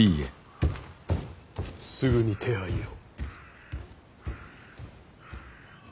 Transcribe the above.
すぐに手配を。